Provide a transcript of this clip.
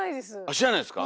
知らないですか？